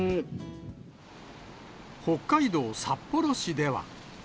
北海道札幌市では。